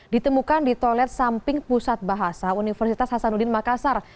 ditemukan di toilet samping pusat bahasa universitas hasanuddin makassar